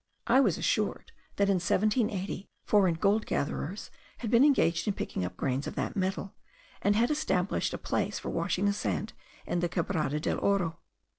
I was assured, that in 1780, foreign gold gatherers had been engaged in picking up grains of that metal, and had established a place for washing the sand in the Quebrada del Oro.